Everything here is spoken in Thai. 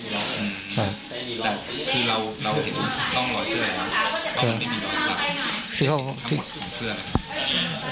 แต่คือเราเห็นต้องรอเสื้อนะครับ